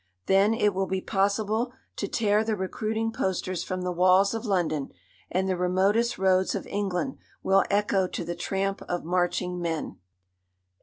Then it will be possible to tear the recruiting posters from the walls of London, and the remotest roads of England will echo to the tramp of marching men.